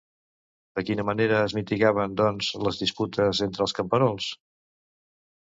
De quina manera es mitigaven, doncs, les disputes entre els camperols?